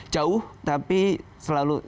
jauh tapi selalu